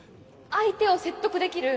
相手を説得できる